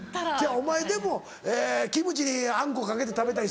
お前でもキムチにあんこかけて食べたり。